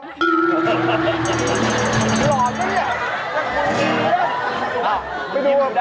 หล่อสิแล้วกูดี